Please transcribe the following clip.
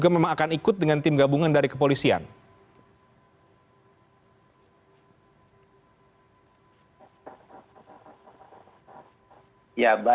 semua ada pembicaranya